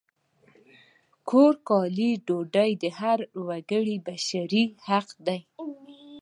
کور، کالي، ډوډۍ د هر وګړي بشري حق دی!